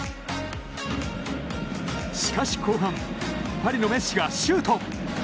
しかし後半パリのメッシがシュート！